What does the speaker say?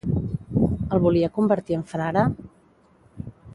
El volia convertir en frare?